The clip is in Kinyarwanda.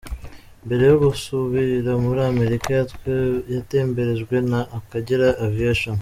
Mbere yo gusubira muri Amerika yatemberejwe na Akagera Aviation.